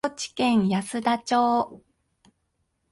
高知県安田町